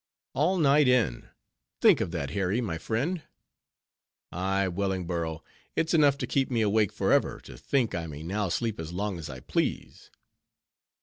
"All night in! think of that, Harry, my friend!" "Ay, Wellingborough, it's enough to keep me awake forever, to think I may now sleep as long as I please."